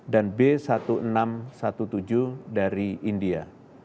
dan b satu enam satu tujuh dari india